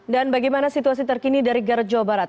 dan bagaimana situasi terkini dari garut jawa barat